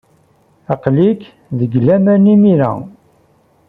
Aql-ik deg laman imir-a.